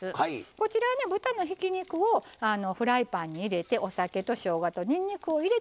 こちらはね豚のひき肉をフライパンに入れてお酒としょうがとにんにくを入れて混ぜます。